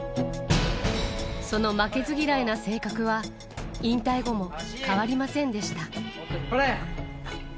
その負けず嫌いな性格は、引退後も変わりませんでした。